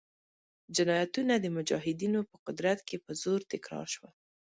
جنایتونه د مجاهدینو په قدرت کې په زور تکرار شول.